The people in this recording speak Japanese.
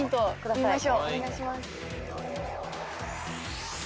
お願いします。